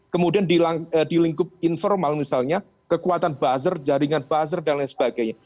kemudian di lingkup informal misalnya kekuatan buzzer jaringan buzzer dan lain sebagainya